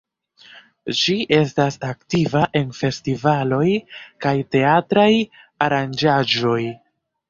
Ŝi estas aktiva en festivaloj kaj teatraj aranĝaĵoj.